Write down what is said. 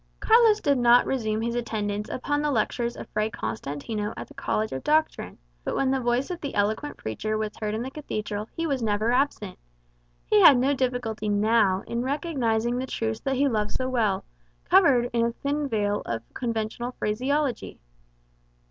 Carlos did not resume his attendance upon the lectures of Fray Constantino at the College of Doctrine; but when the voice of the eloquent preacher was heard in the cathedral, he was never absent. He had no difficulty now in recognizing the truths that he loved so well, covered with a thin veil of conventional phraseology.